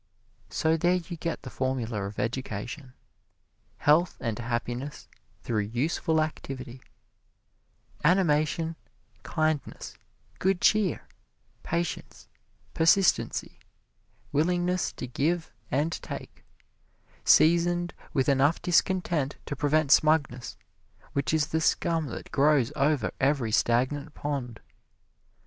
So there you get the formula of Education: health and happiness through useful activity animation, kindness, good cheer, patience, persistency, willingness to give and take, seasoned with enough discontent to prevent smugness, which is the scum that grows over every stagnant pond.